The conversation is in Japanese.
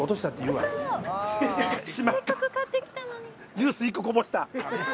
ジュース１個こぼした。